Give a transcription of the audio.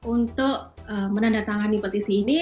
untuk menanda tangan di petisi ini